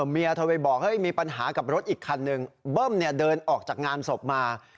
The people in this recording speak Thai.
เมียเธอไปบอกมีปัญหากับรถอีกคันหนึ่งเบิ้มเดินออกจากงานศพมา